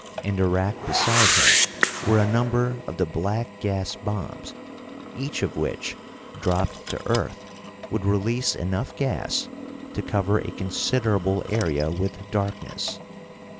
In the rack beside him were a number of the black gas bombs, each of which, dropped to earth, would release enough gas to cover a considerable area with darkness.